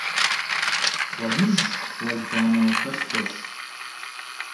Кхъуэныжь уэлбанэ хэлъхуэщ.